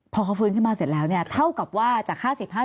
พอเขาฟื้นขึ้นมาเสร็จแล้วเนี่ยเท่ากับว่าจาก๕๐๕๐